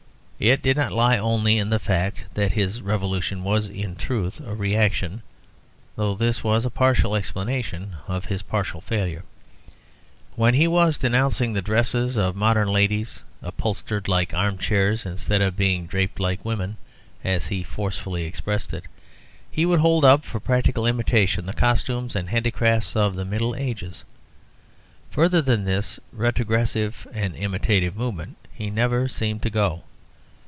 It did not lie only in the fact that his revolution was in truth a reaction, though this was a partial explanation of his partial failure. When he was denouncing the dresses of modern ladies, "upholstered like arm chairs instead of being draped like women," as he forcibly expressed it, he would hold up for practical imitation the costumes and handicrafts of the Middle Ages. Further than this retrogressive and imitative movement he never seemed to go.